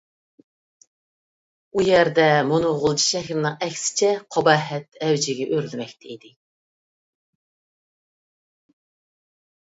ئۇ يەردە مۇنۇ غۇلجا شەھىرىنىڭ ئەكسىچە قاباھەت ئەۋجىگە ئۆرلىمەكتە ئىدى.